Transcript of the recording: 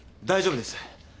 大丈夫です。